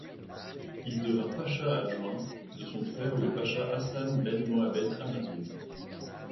Il devint Pacha adjoint de son frère le Pacha Hassan ben Mohammed Amahzoune.